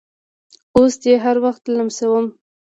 اوس دې هر وخت لمسوم